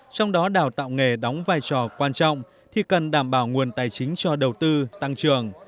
trong đó đào tạo nghề đóng vai trò quan trọng thì cần đảm bảo nguồn tài chính cho đầu tư tăng trường